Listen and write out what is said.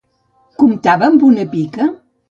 Comptava amb una pica?